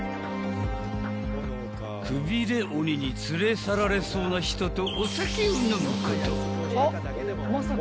［くびれ鬼に連れ去られそうな人と］